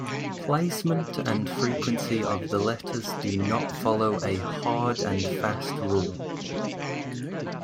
Placement and frequency of the letters do not follow a hard-and-fast rule.